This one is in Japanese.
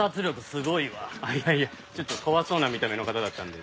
いやいやちょっと怖そうな見た目の方だったんで。